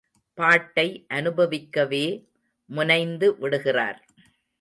பாட்டை அனுபவிக்கவே முனைந்து விடுகிறார்.